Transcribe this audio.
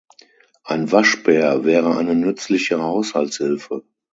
Ein Waschbär wäre eine nützliche Haushaltshilfe.